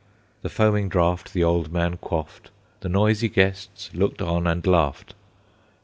The foaming draught the old man quaffed, The noisy guests looked on and laughed.